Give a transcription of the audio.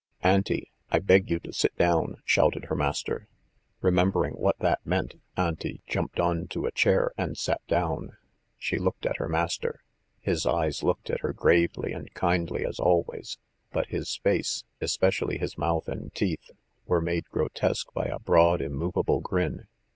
"Auntie, I beg you to sit down!" shouted her master. Remembering what that meant, Auntie jumped on to a chair, and sat down. She looked at her master. His eyes looked at her gravely and kindly as always, but his face, especially his mouth and teeth, were made grotesque by a broad immovable grin.